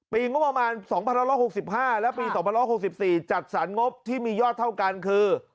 ปีงบประมาณ๒๑๖๕และปี๒๑๖๔จัดสรรงบที่มียอดเท่ากันคือ